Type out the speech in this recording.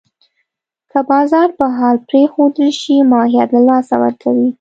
که بازار په حال پرېښودل شي، ماهیت له لاسه ورکوي.